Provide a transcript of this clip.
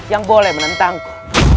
yang boleh menentangku